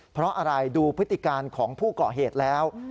เพราะอะไรดูพฤติการของผู้เกาะเหตุแล้ว